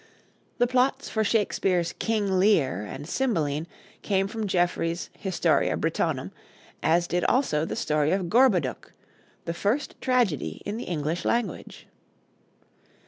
The plots for Shakespeare's 'King Lear' and 'Cymbeline' came from Geoffrey's 'Historia Britonum,' as did also the story of 'Gorboduc,' the first tragedy in the English language.